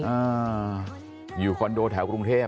อ่าอยู่คอนโดแถวกรุงเทพ